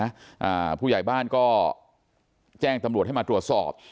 อ่าผู้ใหญ่บ้านก็แจ้งตำรวจให้มาตรวจสอบ